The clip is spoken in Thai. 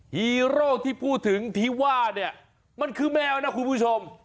ฮีโร่ที่พูดถึงที่ว่าเนี่ยมันคือแมวนะคุณผู้ชม